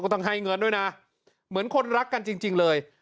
ต้องให้เงินด้วยนะเหมือนคนรักกันจริงเลย